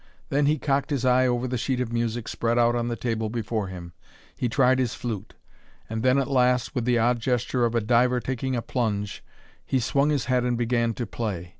Then he cocked his eye over the sheet of music spread out on the table before him. He tried his flute. And then at last, with the odd gesture of a diver taking a plunge, he swung his head and began to play.